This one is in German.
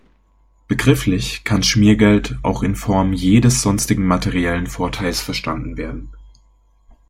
Begrifflich kann Schmiergeld auch in der Form jedes sonstigen materiellen Vorteils verstanden werden.